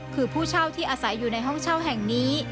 คือผู้เช่าที่อาศัยอยู่ในห้องเช่าแห่งนี้